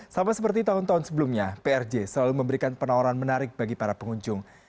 sama seperti tahun tahun sebelumnya prj selalu memberikan penawaran menarik bagi para pengunjung